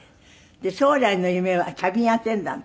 将来の夢はキャビンアテンダントですって？